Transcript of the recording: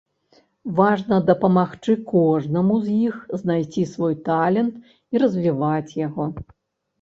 Важна дапамагчы кожнаму з іх знайсці свой талент і развіваць яго.